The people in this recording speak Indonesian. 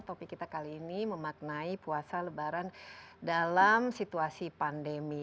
topik kita kali ini memaknai puasa lebaran dalam situasi pandemi